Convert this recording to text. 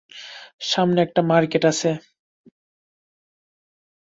সামনে একটা মার্কেট আছে।